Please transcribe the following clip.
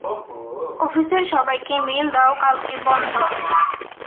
অফিসের সবাইকে মেইল দাও, কালকে বন্ধ।